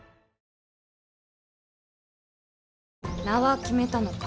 名は決めたのか。